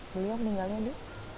beliau meninggalnya di